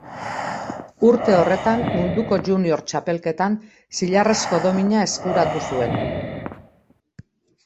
Urte horretan munduko junior txapelketan zilarrezko domina eskuratu zuen.